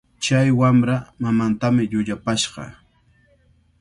Chay wamra mamantami llullapashqa.